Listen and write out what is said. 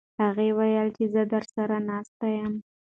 هغې وویل چې زه درسره ناسته یم.